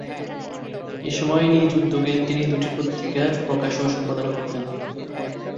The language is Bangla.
এসময় নিজ উদ্যোগে তিনি দুটি পত্রিকা প্রকাশ ও সম্পাদনা করতেন।